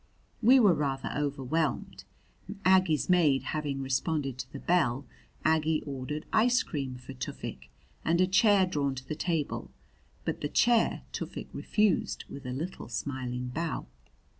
We were rather overwhelmed. Aggie's maid having responded to the bell, Aggie ordered ice cream for Tufik and a chair drawn to the table; but the chair Tufik refused with a little, smiling bow.